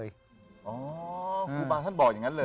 ครูบาท่านบอกอย่างนั้นเลย